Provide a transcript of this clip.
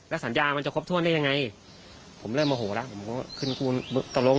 แล้วสัญญามันจะครบถ้วนได้ยังไงผมเริ่มโอโหละผมก็คืนตรงตรง